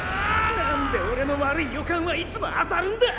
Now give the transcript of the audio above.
なんでオレの悪い予感はいつも当たるんだ！